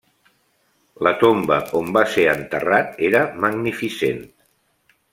La tomba on va ser enterrat era magnificent.